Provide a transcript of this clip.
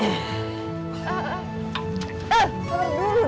eh santai dulu dong